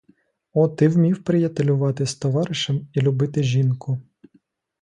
О, ти вмів приятелювати з товаришем і любити жінку.